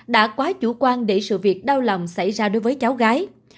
đã quá chủ quan để sự việc đau lòng xảy ra đối với cháu gái